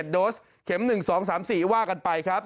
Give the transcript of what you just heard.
๑๙๕๓๓๗โดสเข็ม๑๒๓๔ว่ากันไปครับ